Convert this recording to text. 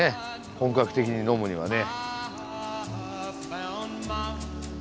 本格的に呑むにはね。